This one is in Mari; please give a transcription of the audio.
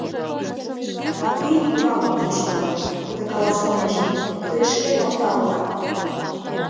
А пий тугак оптен шога, пуйто каласынеже: «Тый шке токтар улат!